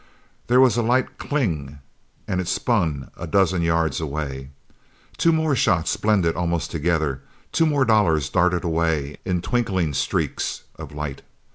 There was a light "cling!" and it spun a dozen yards away. Two more shots blended almost together; two more dollars darted away in twinkling streaks of light.